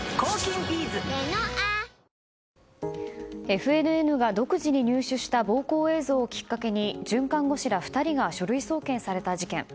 ＦＮＮが独自に入手した暴行映像をきっかけに准看護師ら２人が書類送検された事件。